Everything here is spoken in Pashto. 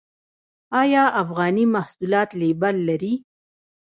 آیا افغاني محصولات لیبل لري؟